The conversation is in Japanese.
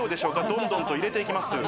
どんどんと入れていきます。